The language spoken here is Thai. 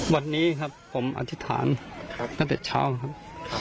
วันนี้ครับผมอธิษฐานตั้งแต่เช้าครับ